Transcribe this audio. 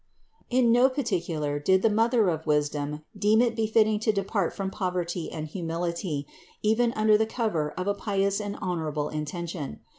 In no particular did the Mother of wisdom deem it befitting to depart from poverty and humility, even under the cover of a pious and honorable intention.